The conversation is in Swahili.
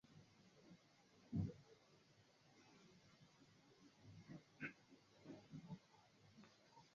unaoathiri wanyama wote wenye kwato na vidonda vya kuambukizana ambavyo vinaweza kuathiri mbuzi